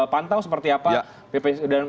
pantau seperti apa dan